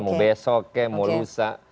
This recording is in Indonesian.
mau besok mau lusa